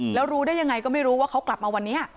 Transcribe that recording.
แล้วรู้ได้ยังไงก็ไม่รู้ว่าเขากลับมาวันนี้